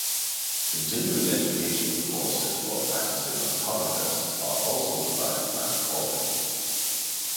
Continuing education courses for practicing optometrists are also provided by the College.